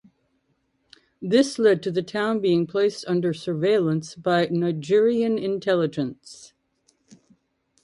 This led to the town being placed under surveillance by Nigerian intelligence.